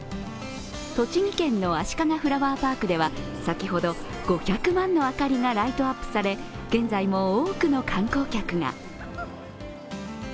栃木県のあしかがフラワーパークでは先ほど５００万の明かりがライトアップされ、現在も多くの観光客が。